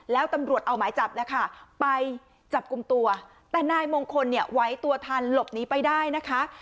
แล้วตำรวจเอาหมายจับแล้วค่ะไปจับกลุ่มตัวแต่นายมงคลเนี่ยไหวตัวทันหลบหนีไปได้นะคะ